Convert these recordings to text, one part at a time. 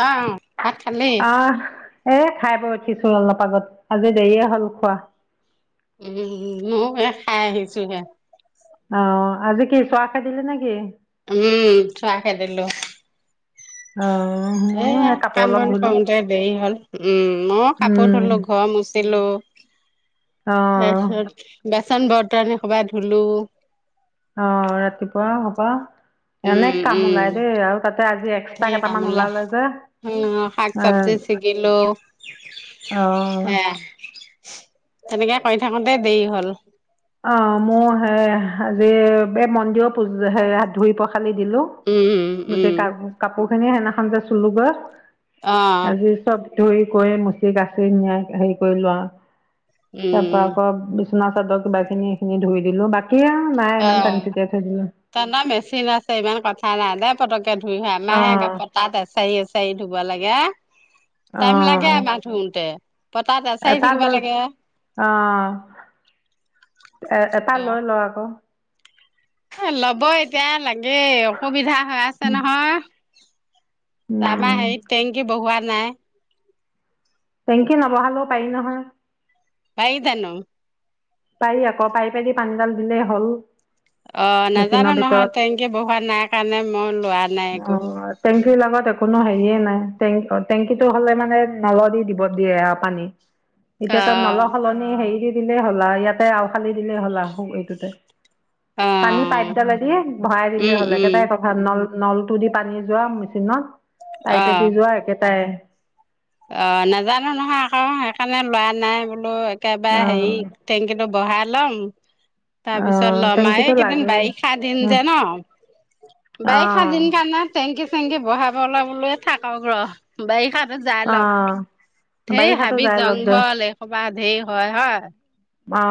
আহ ভাত খালি অ এ খাই বৈ খাইছো অলপ আগত আজি দেৰিয়ে হ'ল খোৱা উম মইয়ো ঋ খাই আহিছো হে অ আজি কি চোৱা খেদিলি নেকি উম চুৱা খেদিলো আহ ময়ো এয়া সেই কাপোৰ কাম অলপ বন ধুলো কৰোতে দেৰি হ'ল উম মই কাপোৰ উম ধুলো ঘৰ মুচিলো আহ তাৰপিছত বাচন বৰ্তন এহোপা ধুলো অহ ৰাতিপুৱা হোপা এনে উম কাম উম ওলাই দেই আৰু তাতে আজি এক্সট্ৰা ধেৰ কাম কেইটামান ওলাই ওলালে যে উম শাক এ চাব্জি চিগিলো অ হেয়াই তেনেকে কৰি থাকোতে দেৰি হল অ মোৰো সেয়া আজি এই মন্দিৰৰ পূ হাত ধুই পখ ফালি দিলো উম উম গোটেই কা কাপোৰ খিনি সেইদিনাখন যে চুলোগে অ আজি চব ধুই কৰি মুচি কাচি নিয়া হেৰি কৰিলো আও তাৰ উম পৰা আকৌ বিচনা চাদৰ কিবা খিনি এইখিনি ধুই দিলো ব অ ত ন মেচিন আছে ইমান কথা নাই দেই পতককে ধুই হয় অ আমাহে একে পতাত এছাৰি এছাৰি ধুব লাগে। অ টাইম লাগে আমাৰ ধোঁৱাতে। এটা লৈ আহ। এ এটা লৈ লওঁ আকৌ। ল'ব এতিয়া লাগে অসুবিধা হৈ আছে নহয়। তপা উম হেৰিত টেংকি বহোৱা নাই। টেংকি নবহালেও পাৰি নহয়। জানো [unintelligible] পাৰি আকৌ পাৰি পাৰি পানীডাল দিলেই হ'ল অ নাজানো মেচিনৰ নহয় ভিতৰত টেংকি বহুৱা ৱা নাই কাৰণে মই লোৱা নাই একো অ', টেংকিৰ লগত কোনো হেৰিয়ে নাই টেং টেংকিটো হলে মানে নল দি দিব দিয়ে পানী। অ এতিয়া তাত নল সলনি হেৰি দি দিলেই হলা ইয়াতে আল খালি দিলেই হ'লা এইটোতে। অ পানী পাইপ দালে দি ভৰাই দিলে উম হ'লে উম একেইটাই কথা নল নলটো দি পানী যোৱা মেচিনত অ পাইপেদি যোৱা একেটাই। অ নাজানো নহয় আকৌ সেইকাৰণে লৰা নাই বোলো অ একবাৰে হেৰি টেঙংকীটো বহাই লম তাৰ অ পিছত লম টেংকিটো কেইদিন লাগে বাৰিষা দিম উম যে ন? অ বাৰিষা দিন কাৰণে টেংকি চেঙংকি বহাব লবলৈ থাকক ৰহ বাৰিষা দ যাই অ লক ধেই বাৰিষাতো হাবি যাই লগ দে জংঘল এইসবা ঢেৰ হয় হয়। অ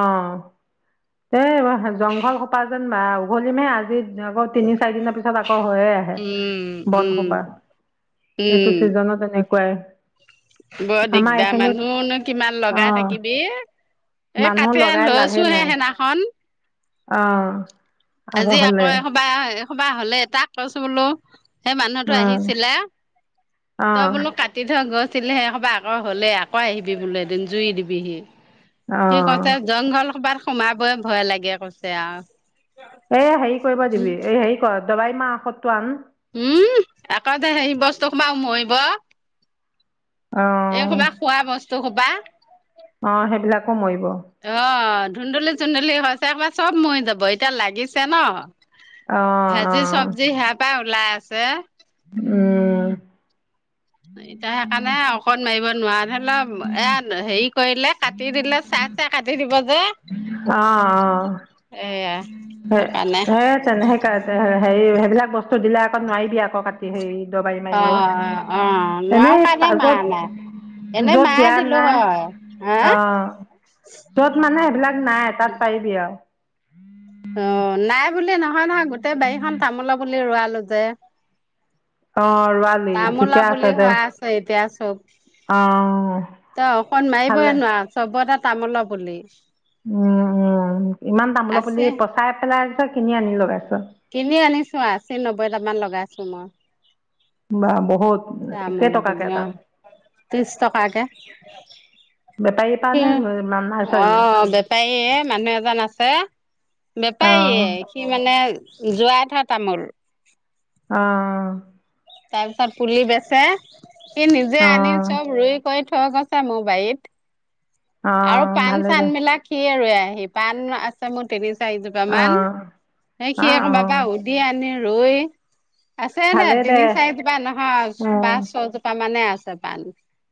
এই জংঘল সোপা যেন বা উঘলিমহে আজি নগদ তিনি চাৰি দিনৰ পিছত আকৌ হৈয়ে আহে উম উম বনসোপা। এইটো উম ছিজনত এনেকুৱাই। বৰ আমাৰ দিগদাৰ এইখিনিত মানুহনো কিমান অ লগাই থাকিবি। এ মানুহ কাটি লগাই লৈ লাভেই আছো হে নাই সেইনাখন। অ আজি আকৌ এসোপা এসোপা হ'লে এটাক কৈছো বোলো সেই মানুহতো অ আহিছিলে তই অঁ বোলো কাটি থ। গৈছিলেহেই সবা আকৌ হ'লে আকৌ আহিবি বোলে এদিন জুই দিবিহি। কি কৈছে অঁ জংঘল কবাৰ সোমাবই ভয় লাগে কৈছে আৰু। এ হেৰি কৰিব দিবি, এই হেৰি কৰ দবাই মাহ সতটো আন। উম আকৌ দে সে বস্তুসোপা মৰিব অঁ এইসোপা খোৱা বস্তু সোপা। অঁ সেইবিলাকো মৰিব আহ ধুন্দোলি চুডলি হয়। তেসোপা চব মৰি যাব এতিয়া লাগিছে ন অঁ ভাজি চব্জি সেয়া পাই উলাই আছে। উম। এতিয়া সেইকাৰণে অকণ মাৰিব নোৱাৰা ধেন। অলপ এয়াত সেই কৰিলে কাটি দিলে চাই চাই কাটি দিব যে। অঁ এয়া সেকানে সেই তেনে সেই হেৰি সেইবিলাক বস্তু দিলে আকৌ নোৱাৰিবি আকৌ কাটি হেৰি দবাৰি অ মাৰিব অ নোৱাৰো এনেই কাৰণে পাজত মাৰা নাই এনে য'ত মায়ে দিয়া দিলো নাই হয় হা অ য'ত মা নাই, সেইবিলাক নাই তাত পাৰিবি আও। অ নাই বুলি নহয় নহয় গোটেই বাৰীখন তামোল পুলি ৰোৱালো যে। অঁ ৰোৱালি তামোলা ঠিকে আছে পুলি দে হোৱা আছে এতিয়া চব। অঁ ত অকণ মাৰিবই ভালে নোৱাও চবতে তামোল পুলি। উম উম ইমান তামোল পুলি আছে পচাই পেলাইছ কিনি আনি লগাইছ কিনি আনিছো আশী নব্বৈটামান লগাইছো ম। বা বহুত। তামোল কেইটকাকে পুলি এটাত অহ ত্ৰিশ টকাকে। বেপাৰীৰ পৰা নে [unintelligible] অ নাৰ্চাৰী বেপাই এ মানুহ এজন আছে অঁ বেপাৰীয়ে সি মানে যোৱাই থোৱা তামোল অহ তাৰ পিছত পুলি বেচে সি নিজে আনি অঁ চব ৰুই কৰি থই গৈছে মোৰ বাৰিত আৰু অঁ পাণ ভালে দে চাণবিলাক সিয়ে ৰোৱেহি পাণ আছে মোৰ তিনি চাৰিজোপা মান অঁ সে অঁ সিয়ে কবা অঁ পা ওধি আনি ৰুই আছে নে ভালে দে তিনি চাৰিজোপা নহয় অঁ পাঁচ ছয়জোপা মানে আছে পান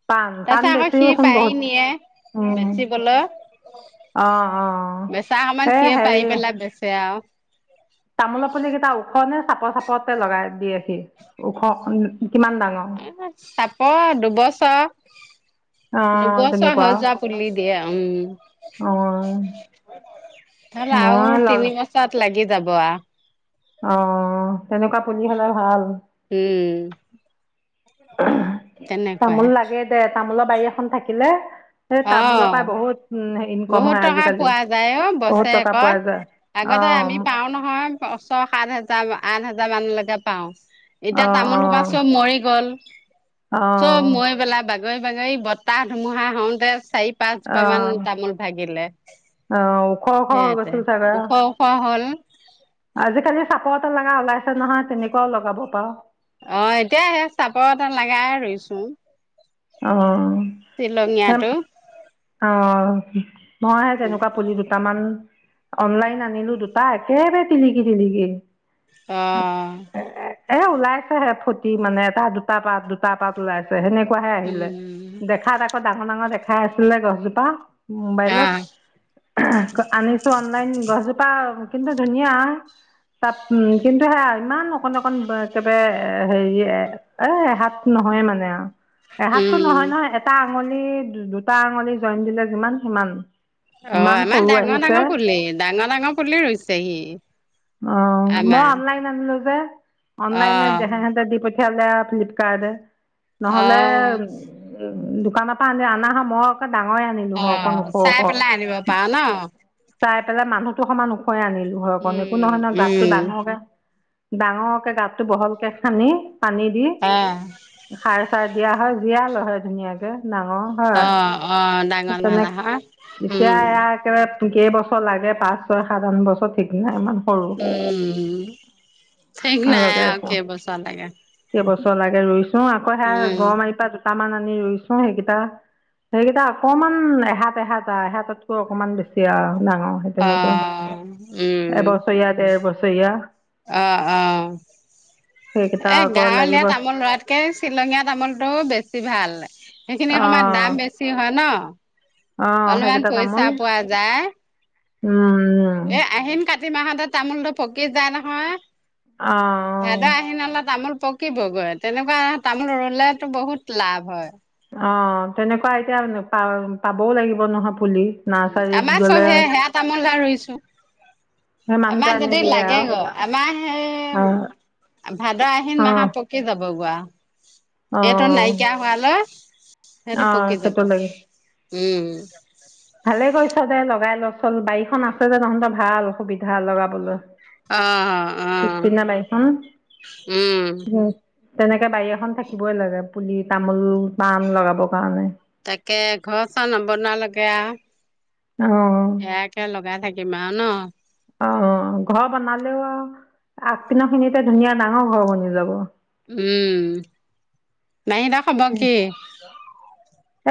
পাণ তাৰ পাণ পিছত আকৌ সি বেছিওচোন পাৰি বহুত নিয়ে অঁ বেচিবলৈ অঁ বেচা সমান এই সিয়ে হেৰি পাৰি পেলাই বেচে আও তামোলৰ পুলি কেইটা ওখনে চাপৰ চাপতে লগাই দিয়ে সি ওখ কিমান ডাঙৰ চাপৰ দুবছৰ অঁ দুবছৰ হৈ তেনেকুৱা যোৱা পুলি দিয়া উম অ', নহলে আও মই লগ তিনি বছৰত লাগি যাবৱা অ তেনেকুৱা পুলি হলে ভাল উম তেনেকুৱাই তামোল লাগে দে তামোলৰ বাৰী এখন থাকিলে সেই অ তামোলৰ পৰাই বহুত উন বহুত টকা পোৱা যায় অ টকা বছেৰেকত পোৱা যায়। আগতে অ', আমি পাও নহয় বছৰত সাত হাজাৰ আঠ হা হাজাৰ মানলৈকে পাও এতিয়া অ', তামোল সোপা অ', চব মৰি গল চ'ব অ'। মই পেলাই বাগৰি বাগৰি বতাহ ধূমুহা আহোঁতে চাৰি পাঁচ জোপা মান অ', তামোল ভাগিলে অ', ওখ ওখ হৈ সেয়েতে গৈছিল চাগে ওখ ওখ হ'ল আজিকালি চাপৰ এ লগা ওলাইছে নহয় তেনেকুৱও লগাব পাৰ অ এতিয়া সে চাপৰ এটা লগাই ৰুইছোঁ - - অ অ মই সেই তেনেকুৱা পুলি দুটামান অনলাইন আনিলোঁ দুটা একেবাৰে টিলিকি টিলিকি। আহ। এ ওলাইছেহে ফুটি মানে তাৰ দুটা পাত দুটা পাত ওলাইছে সেনেকুৱা হে। উম দেখাত আকৌ ডাঙৰ ডাঙৰ দেখাই আছিলে গছজোপা। অ মোবাইলত আনিছো অনলাইন গছজোপা কিন্তু ধুনীয়া, তাপ উম কিন্তু সেয়া ইমান অকণ অকন একেবাৰে হেৰি এ সাত ন নহয় মানে আৰু। এহাতটো উম নহয় নহয় এটা আঙুলি দুটা আঙুলি জইন দিলে যিমান সিমান। অ ইমান আমাৰ সৰু ডাঙৰ ডাঙৰ আহিছে পুলি ডাঙৰ ডাঙৰ পুলি ৰুইছেহি। অ মই আমাৰ অনলাইন আনিলো যে অ অনলাইনে দেহাহঁতে দি প- খেলেআ ফ্লিপকাৰ্টে অ নহলে উম। উম দোকানৰ পৰা আনিলে অনা হলে মই অকল ডাঙৰে আনিলো অ হয় অকন ওখ ওখ। চাই পেলাই আনিব পাৰ ন চাই পেলাই মানুহতো সমান ওখাই আনিলো হয় অকণ একো উম নহয় নহয় গাতটো উম ডাঙৰকে। ডাঙৰকে গাতটো বহলকে খান্দি পানী দি অ খাৰ, চাই দিয়া হয় জীয়া লহে ধুনীয়াকে নাঙৰ হয়। অ', অ', ডাঙৰ তেনেক মালাহৰ এতিয়া উম, এয়া একেবাৰে কেইবছৰ লাগে পাঁচ ছয় সাত আন বছৰ ঠিক নাই মানে উম ঠিক নাই আৰু কেইবছৰ লাগে। চলাগে ৰুইছো আকৌ সেয়া উম, গৰৈ মাৰীৰ পৰা দুটামান আনি ৰুইছো, সেইকেইটা সেইকেইটা অকমান এহাত এহাত আৰু এহাততকৈ অকনমান বেছি আৰু ডাঙৰ সেই তেনেকুৱা অ', এবছৰীয়া ডেৰ বছৰীয়া অহ অহ সেইকেইটা এ আকৌ গাঁৱলীয়া লাগিব তামোল অ ৰুৱাতকে শ্বিলঙীয়া তামোলটোৱে বেছি ভাল। সেইখিনি সময়ত দাম বেছি হয় ন অ অলপমান সেইকেইটা তামোল পইচা পোৱা যায়। উম এ আহিন-কাতি মাহতে তামোলটো পকি যায় নহয়। অ ভাদ আহিন লে তামুল পকিবগৈ তেনেকুৱা তামোল ৰুলেতো বহুত লাভ হয়। অ তেনেকুৱা এতিয়া পা পাবও লাগিব নহ'ব। উ আমাৰ চব সে সেয়া তামোল লা ৰুইছো। সেই মানুহটোৱে আমাৰ আনি যদি দিয়ে লাগে আৰু গ আমাৰ অ সেই ভাদ-আহিন অ মাহত পকি যাব, গোৱা অ এইটো নাইকিয়া হোৱালৈ। অ সেইটো লাগে [unintelligible] ভালে কৰিছ দে লগাই ল চল, বাৰীখন আছে যে তহঁতৰ ভাল সুবিধা লগাবলৈ। অ অ পিচ পিনৰ বাৰীখন। উম তেনেকে বাৰী এখন থাকিবই লাগে পুলি তামোল-পাণ লগাবৰ কাৰণে। তাকে ঘৰ চৰ নবনোৱালৈকে আৰু অঁ সেয়াকে লগাই থাকিম আৰু ন? অ অ ঘৰ বনালেও আগ পিনৰ খিনিতে ধুনীয়া ডাঙৰ ঘৰ বনি যাব। উম, নাহিদৰ খবৰ কি?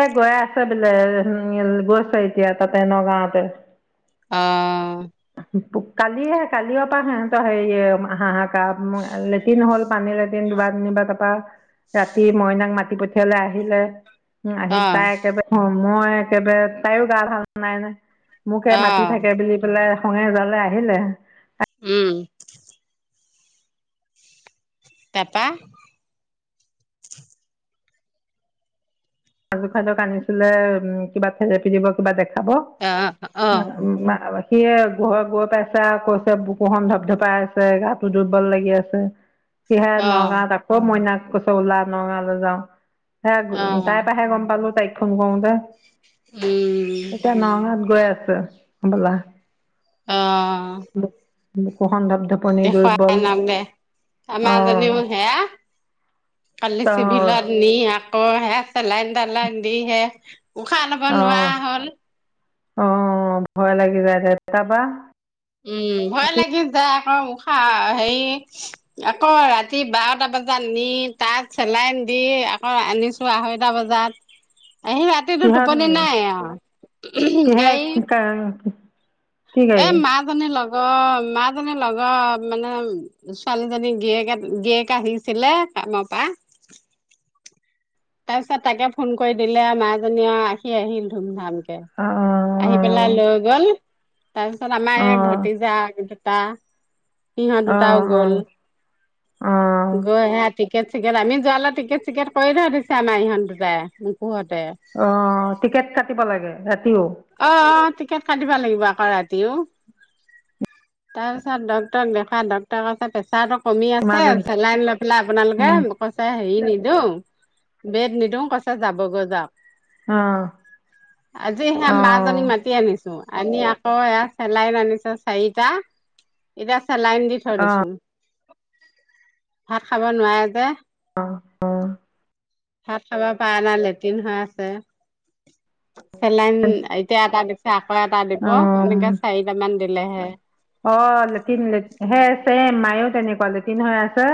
এ গৈ আছে বোলে গৈছে এতিয়া তাতে নগাঁওতে। অ কালিয়ে কালিৰ পৰা সিহঁতৰ হেৰিয় হাহাকাৰ লেট্ৰিন হ'ল পানী লেট্ৰিন কিবা যেনিবা তাৰপা ৰাতি মইনাক মাতি পঠিয়ালে আহিলে আহি অ পাই একেবাৰে সময় একেবাৰে, তাইৰো গা ভাল নাই ন'। মোকে অ মাতি থাকে বুলি পেলাই খঙে-জালে আহিলে। উম, তাপা [unintelligible] হ'ব, অ অ অ [unintelligible] সি এ ঘৰ গৈ পাইছে আৰু কৈছে বুকুখন ধপ-ধপাই আছে, গাটো দুৰ্বল লাগি আছে। সেয়ে অ নগাঁৱত আকৌ মইনাক কৈছোঁ উলা নগাঁৱলৈ যাও, সে তাইৰ পৰাহে গম পালোঁ তাইক ফোন কৰোঁতে, উম এতিয়া নগাঁৱত গৈ আছ ছোঁ, হ'বলা। অ', বুকুখন ধপধপনি দেখুৱাই দুৰ্বল আনক দে, আমাৰ আহ জনীয়ো সেয়া। কালি আহ চিভিলত নি আকৌ হে চেলাইন টেলাইন দিহে, উশাহ ল'ব নোৱাৰা হ'ল। অ', ভয় লাগি যায় যে, তাপা উম, ভয় লাগি‌ যায়। আকৌ উশাহ হেৰি আকৌ ৰাতি বাৰটা বজাত নি তাত চেলাই দি আকৌ আনিছোঁ আঢ়ৈটা বজাত [inaudible] আহি ৰাতিটো কিহত টোপনি নিলে, নাই আৰু কিহে গাড়ী [unintelligible] কি এ গাড়ী মাঁজনে ল অ', মাঁ জনী নাযায় মানে ছোৱালীজনী গিৰিয়েকে-গিৰিয়েকে আহিছিলে। কামৰ পা। [inaudible] তাৰ পিছত তাকে ফোন কৰি দিলে মাজনীয়ে আৰু আহি আহিল ধুম-ধাম। এ, অ অ আহি পেলাই লৈ গ'ল। তাৰপিছত আমাৰ অ এই অ ভতিজা দুটা, সিহঁত অ দুটাও অ গ'ল, অ গৈ সেয়া টিকেট চিকেট আমি যোৱালৈ টিকেট চিকেট কৰি থৈ দিছে আমাৰ ইহঁত দুটা এই। অহ' টিকেট কাটিব লাগে। ৰাতিও অহ', অহ' টিকেট কাটিব লাগিব আকৌ ৰাতি দিওঁ। তাৰপিছত ডক্তৰক দেখাই ডক্তৰে কৈছে প্ৰেচাৰটো কমি আছে ইমাৰ্জেঞ্চি চেলাইন লৈ পেলাই অ আপোনালোকে, মোক কৈছে হেৰি নি দিওঁ। বেদ নিদিওঁ কৈছে যাবগৈ যাওঁক। অহ'। মাজনীক মাতি আনিছো। আনি আকৌ এয়া চেলাইন আনিছে চাৰিটা, এতিয়া। ছেলাইন দি থৈ দিছোঁ, ভাত খাব নোৱাৰে যে। অহ', অহ'। ভাত খাব পাৰা নাই লেট্ৰিন হৈ আছে। চেলাইন এতিয়া এটা দিছে আকৌ এটা দিব, অ এনেকে চাৰিটামান দিলেহে। অহ' লেটিন হে চেম মায়ও তেনেকুৱা লেটিন হৈ আছে।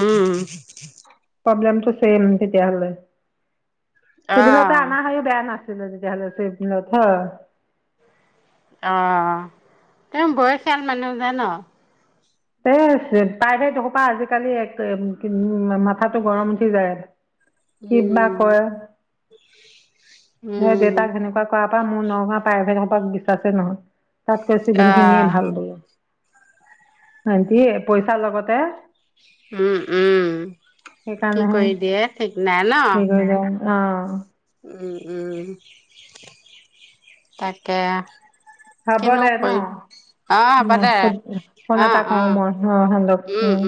উম'। প্ৰবলেমটো চেম তেতিয়া হ'লে, অহ চিভিলতে অনা হয় বেয়া নাছিল। [unintelligible] তেতিয়া হ'লে। [unintelligible] অহ' তেওঁ বয়সীয়াল মানুহ যে ন। এই প্ৰাইভেট এইসোপা আজিকালি এক, মাথাটো গৰম উঠি যায়। কিবা উম কয়, উম দে-দেউতাক সেনেকুৱা কৰা। তাৰপা মোৰ নগাঁৱৰ প্ৰাইভেট সোপাক বিশ্বাসেই নহয় তাতকৈ চিভিল খিনিয়ে অহ ভাল বোলো ভাইটি পইচাৰ লগতে। উম', উম' কি সেইকাৰণেহে কৰি দিয়ে ঠিক নাই ন। অহ'। উম', উম'। তাকে। হ'ব কিনো দে ন। কৰিম অ হ'ব অহ' দে [unintelligible] ফোন অ এটা অ কৰো মই। অহ, সিহঁতক উম।